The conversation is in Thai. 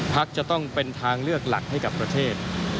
จะต้องเป็นทางเลือกหลักให้กับประเทศ